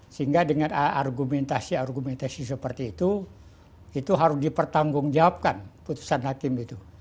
sehingga dengan argumentasi argumentasi seperti itu itu harus dipertanggungjawabkan putusan hakim itu